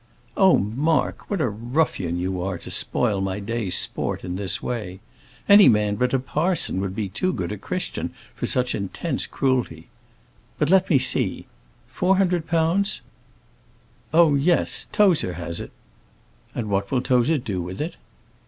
"Oh, Mark, what a ruffian you are to spoil my day's sport in this way. Any man but a parson would be too good a Christian for such intense cruelty. But let me see four hundred pounds? Oh, yes Tozer has it." "And what will Tozer do with it?"